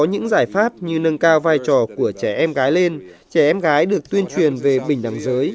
những giải pháp như nâng cao vai trò của trẻ em gái lên trẻ em gái được tuyên truyền về bình đẳng giới